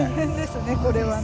これはね